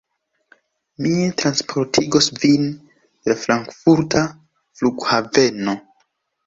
Mi transportigos vin de la Frankfurta flughaveno.